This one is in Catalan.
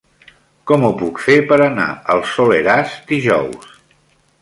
Com ho puc fer per anar al Soleràs dijous?